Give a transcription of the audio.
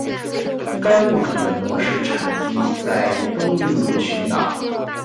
该物种的模式产地在东印度群岛。